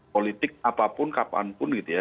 politik apapun kapanpun gitu ya